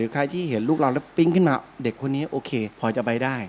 ใครที่เห็นลูกเราแล้วปิ๊งขึ้นมาเด็กคนนี้โอเคพอจะไปได้